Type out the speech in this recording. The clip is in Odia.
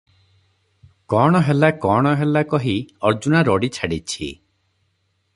"କଣ ହେଲା, କଣ ହେଲା" କହି ଅର୍ଜୁନା ରଡ଼ି ଛାଡ଼ିଛି ।